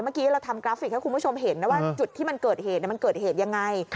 เมื่อกี้เราทำกราฟิกให้คุณผู้ชมเห็นนะว่าจุดที่มันเกิดเหตุมันเกิดเหตุยังไง